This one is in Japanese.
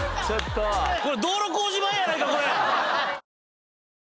これ道路工事場やないか！